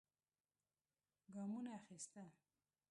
ګامونه اخېستل.